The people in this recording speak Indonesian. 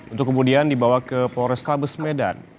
untuk kemudian dibawa ke pores tabes medan